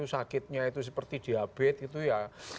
sakitnya itu seperti diabetes